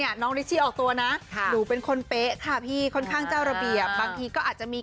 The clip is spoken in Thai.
ยังดียังปกติดีอยู่ครับ